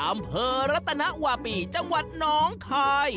อำเภอรัตนวาปีจังหวัดน้องคาย